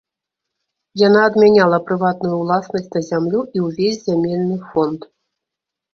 Яна адмяняла прыватную ўласнасць на зямлю і ўвесь зямельны фонд.